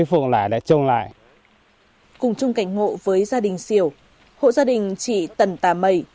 cùng chung cảnh ngộ với gia đình siểu hộ gia đình chị tần tà mây